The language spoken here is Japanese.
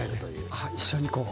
あっ一緒にこう。